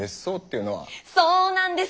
そうなんです。